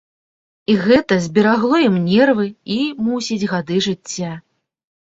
І гэта зберагло ім нервы і, мусіць, гады жыцця.